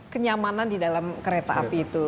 kenyamanan di dalam kereta api itu